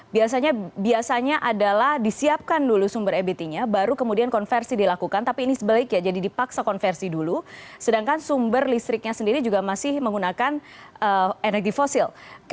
biasanya adalah disiapkan dulu sumber ebt nya baru kemudian konversi dilakukan tapi ini sebaliknya jadi dipaksa konversi dulu sedangkan sumber listriknya sendiri juga masih menggunakan energi fosil